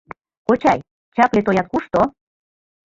— Кочай, чапле тоят кушто?